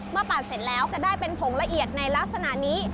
ปั่นเสร็จแล้วจะได้เป็นผงละเอียดในลักษณะนี้